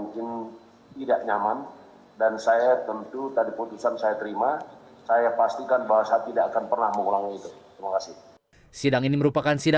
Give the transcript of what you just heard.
dia kan juga penyusahana yang bersama kita